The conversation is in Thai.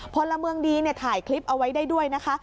พลเมืองดีถ่ายคลิปเอาไว้ได้ด้วยนะคะ